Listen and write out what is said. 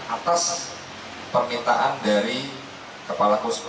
atas permintaan dari kepala puskes